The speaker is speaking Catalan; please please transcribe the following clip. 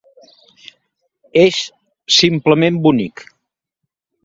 És simplement bonic.